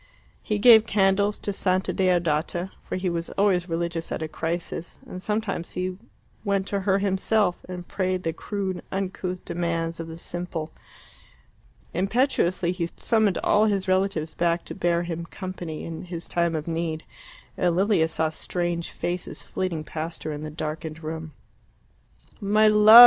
He gave candles to Santa Deodata, for he was always religious at a crisis, and sometimes he went to her himself and prayed the crude uncouth demands of the simple. Impetuously he summoned all his relatives back to bear him company in his time of need, and Lilia saw strange faces flitting past her in the darkened room. "My love!"